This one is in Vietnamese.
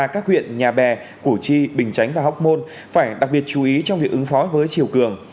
các huyện nhà bè củ chi bình chánh và hóc môn phải đặc biệt chú ý trong việc ứng phó với chiều cường